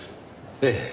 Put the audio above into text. ええ。